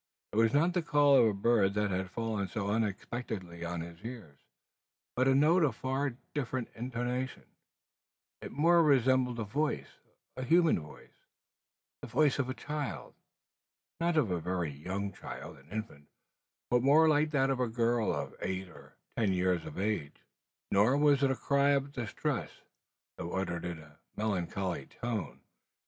It was not the call of a bird that had fallen so unexpectedly on his ear, but a note of far different intonation. It more resembled a voice, a human voice, the voice of a child! Not of a very young child, an infant, but more like that of a girl of eight or ten years of age! Nor was it a cry of distress, though uttered in a melancholy tone.